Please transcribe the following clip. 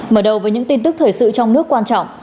mở đầu với những tin tức thời sự trong nước quan trọng